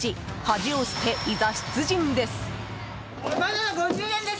恥を捨て、いざ出陣です。